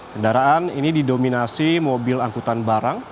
kendaraan ini didominasi mobil angkutan barang